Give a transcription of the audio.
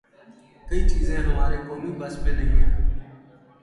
کئی چیزیں ہمارے قومی بس میں نہیں ہیں۔